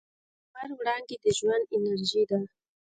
د لمر وړانګې د ژوند انرژي ده.